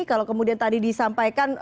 kalau kemudian tadi disampaikan